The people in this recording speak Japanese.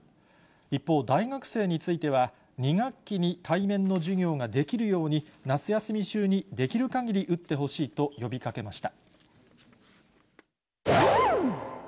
一方、大学生については、２学期に対面の授業ができるように、夏休み中にできるかぎり打ってほしいと呼びかけました。